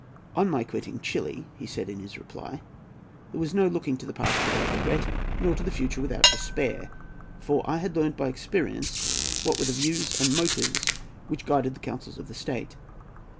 "On my quitting Chili," he said in his reply, "there was no looking to the past without regret, nor to the future without despair, for I had learned by experience what were the views and motives which guided the counsels of the State.